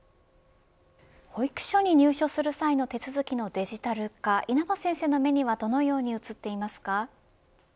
保育所に入所する際の手続きのデジタル化稲葉先生の目にはどのように映っていますか。